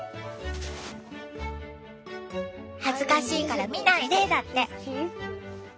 「恥ずかしいから見ないで」だって。